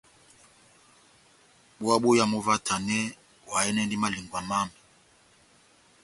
Búwa boyamu óvahtanɛ, oháyɛnɛndi malingwa mámi.